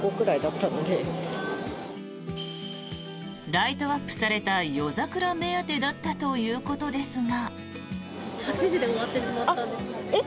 ライトアップされた夜桜目当てだったということですが。